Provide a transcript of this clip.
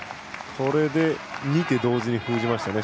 これで２手同時に封じましたね。